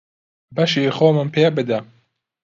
بەشی خۆمم پێ بدە.